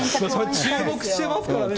注目してますからね、みんな。